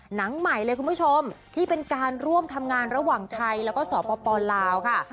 หนังใหม่เลยคุณผู้ชมที่เป็นการร่วมทำงานระหว่างไทยแล้วก็สปลาวค่ะ